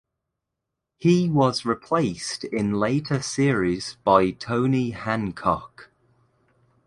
He was replaced in later series by Tony Hancock.